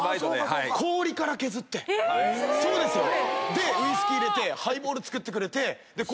でウイスキー入れてハイボール作ってくれて。